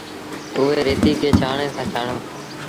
اُئي ريتيٚ کي ڇآڻڻي سآݩ ڇآڻو۔